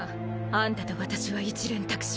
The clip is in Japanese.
あんたと私は一蓮托生。